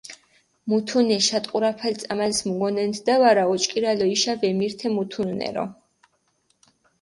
მუთუნი ეშატყურაფალი წამალს მუგონენთდა ვარა, ოჭკირალო იშა ვემირთე მუთუნნერო.